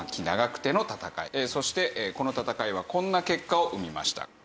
そしてこの戦いはこんな結果を生みました。